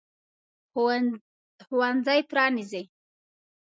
ښوونځی پرانیزي.